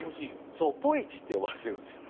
「ポイチ」って呼ばれてるんですよ。